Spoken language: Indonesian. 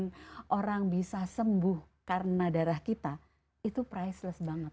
kemudian orang bisa sembuh karena darah kita itu priceless banget